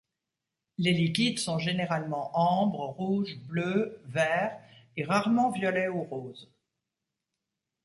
Les liquides sont généralement ambre, rouge, bleu, vert et rarement violet ou rose.